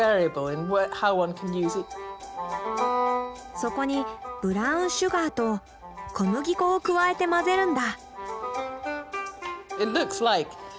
そこにブラウンシュガーと小麦粉を加えて混ぜるんだ。